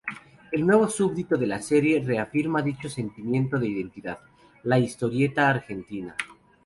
El nuevo subtítulo de la serie reafirma dicho sentimiento de identidad: "La historieta argentina".